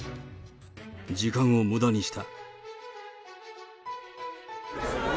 時間をむだにした。